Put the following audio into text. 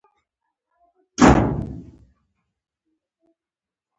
• نړیوالتوب ټولنې له یو بل سره تړلي.